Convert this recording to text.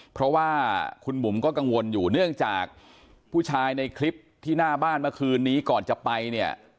เพราะว่าคุณบุ๋มก็กังวลอยู่เนื่องจากผู้ชายในคลิปที่หน้าบ้านเมื่อคืนนี้ก่อนจะไปเนี่ย